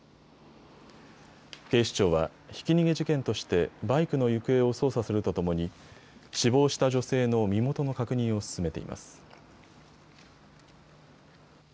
警視庁は、ひき逃げ事件としてバイクの行方を捜査するとともに死亡した女性の身元の確認を進めています。